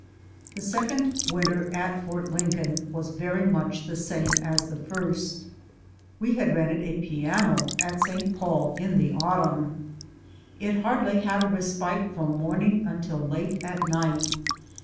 The second winter at Fort Lincoln was very much tlie same as the first. We had rented a piano at St. Paul in the autumn. It hardly had a respite from morning until late at night.